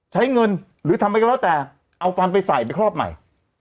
ใช้เงินหรือทำอะไรก็แล้วแต่เอาฟันไปใส่ไปครอบใหม่